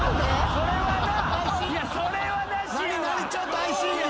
それはな。